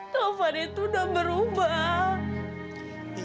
taufan itu udah berubah